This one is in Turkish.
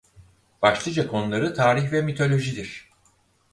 Başlıca konuları tarih ve mitolojidir.